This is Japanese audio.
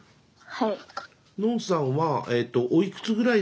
はい。